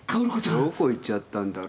どこ行っちゃったんだろう？